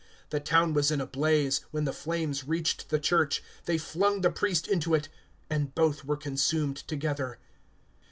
The town was in a blaze; when the flames reached the church, they flung the priest into it, and both were consumed together.